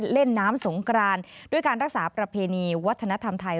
เล่นน้ำสงกรานด้วยการรักษาประเพณีวัฒนธรรมไทย